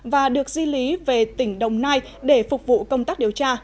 và được di lý về tỉnh đồng nai để phục vụ công tác điều tra